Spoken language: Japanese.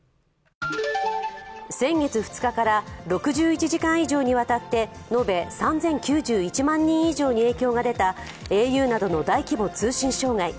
先月２日から６１時間以上にわたって延べ３０９１万人以上に影響が出たａｕなどの大希望通信障害。